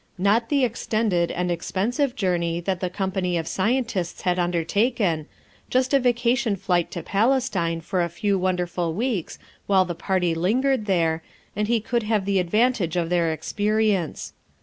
Not the extended and expensive journey that the company of scientists had undertaken; just a vacation flight to Palestine for a few won derful weeks while the party lingered there, and he could have the advantage of their ex perience.